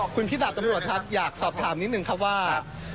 คุณพี่ดาบตำรวจครับอยากสอบถามนิดนึงครับว่า